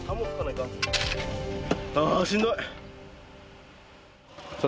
あしんどい。